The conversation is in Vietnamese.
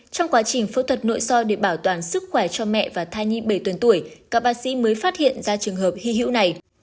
trong quá trình phẫu thuật nội soi để bảo toàn sức khỏe cho mẹ và thai nhi bảy tuần tuổi các bác sĩ mới phát hiện ra trường hợp hy hữu này